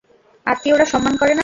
আত্মীয়রা সম্মান করে না।